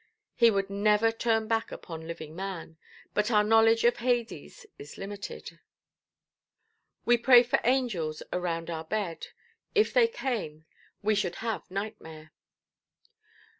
He would never turn back upon living man; but our knowledge of Hades is limited. We pray for angels around our bed; if they came, we should have nightmare.